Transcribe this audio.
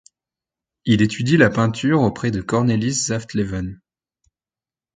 Il étudie la peinture auprès de Cornelis Saftleven.